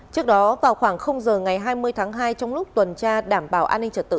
trước đó vào khoảng giờ ngày hai mươi tháng hai trong lúc tuần tra đảm bảo an ninh trật tự